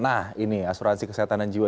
nah ini asuransi kesehatan dan jiwa